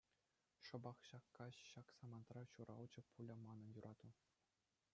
Шӑпах ҫак каҫ, ҫак самантра ҫуралчӗ пулӗ манӑн юрату.